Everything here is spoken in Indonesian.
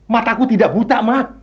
mataku tidak buta